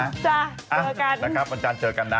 จ้ะเจอกันวันจันทร์เจอกันน่ะ